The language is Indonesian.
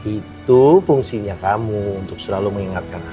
itu fungsinya kamu untuk selalu mengingatkan